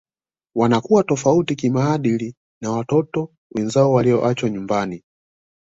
Wanakuwa tofauti kimaadili na watoto wenzao waliowaacha nyumbani